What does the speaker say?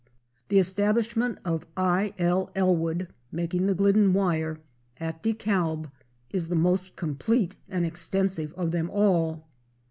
The establishment of I.L. Ellwood (making the Glidden wire) at DeKalb is the most complete and extensive of them all.